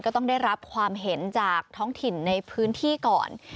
ก็ต้องได้รับความเห็นจากท้องถิ่นในพื้นที่ก่อน